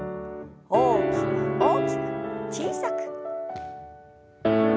大きく大きく小さく。